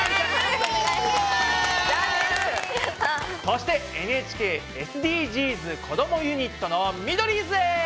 そしてＮＨＫＳＤＧｓこどもユニットのミドリーズです！